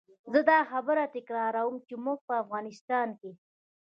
زه دا خبره تکراروم چې موږ په افغانستان کې.